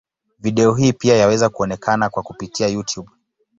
Video hii pia yaweza kuonekana kwa kupitia Youtube.